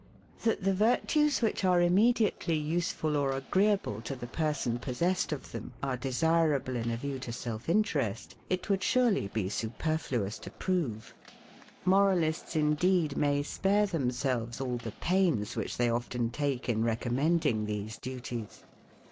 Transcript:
That the virtues which are immediately USEFUL or AGREEABLE to the person possessed of them, are desirable in a view to self interest, it would surely be superfluous to prove. Moralists, indeed, may spare themselves all the pains which they often take in recommending these duties.